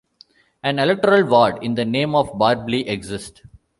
An electoral ward in the name of Barlby exists.